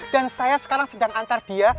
dan saya sekarang sedang antar dia